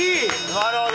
なるほど。